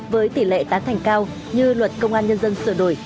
với tỷ lệ tán thành cao như luật công an nhân dân sửa đổi